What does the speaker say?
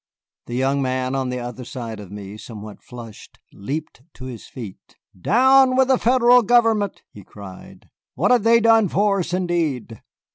The young man on the other side of me, somewhat flushed, leaped to his feet. "Down with the Federal government!" he cried; "what have they done for us, indeed?